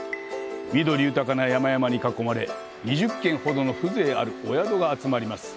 緑豊かな山々に囲まれ、２０軒ほどの風情あるお宿が集まります。